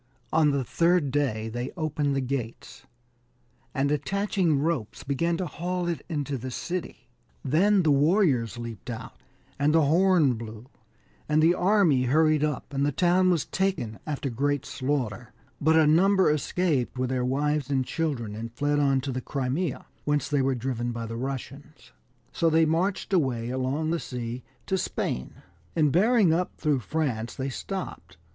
On the third day they opened the gates, and attach ing ropes, began to haul it into the city; then the warriors leaped out, and the horn blew, and the army hurried up, and the town was taken after great slaughter ; but a number escaped with their wives and children, and fled on to the Crimea, whence they were driven by the Russians, so they marched away along the sea to Spain, and bearing up through France, they stopped.